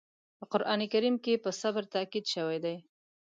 په قرآن کریم کې په صبر تاکيد شوی دی.